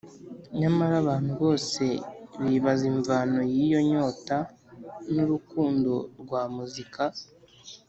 Nyamara abantu bose bibaza imvano y'iyo nyota n'urukundo rwa muzika